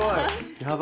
やばい！